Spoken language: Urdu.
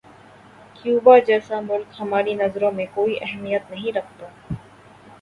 کیوبا جیسا ملک ہماری نظروں میں کوئی اہمیت نہیں رکھتا۔